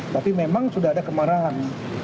tapi memang sudah ada kemarahan